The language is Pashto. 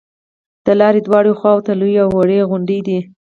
د لارې دواړو خواو ته لویې او وړې غونډې دي.